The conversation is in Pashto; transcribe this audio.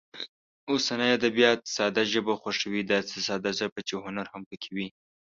اوسني ادبیات ساده ژبه خوښوي، داسې ساده ژبه چې هنر هم پکې وي.